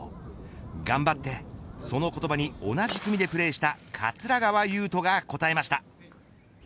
頑張って、その言葉に同じ組でプレーした桂川有人が答えました。